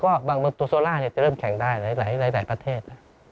ก็บางตัวโซล่าจะเริ่มแข่งได้หลายประเทศ